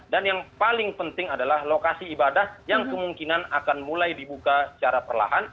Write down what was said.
dan yang paling penting adalah lokasi ibadah yang kemungkinan akan mulai dibuka secara perlahan